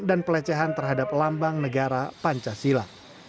dan pelecehan terhadap lambang negara pancasila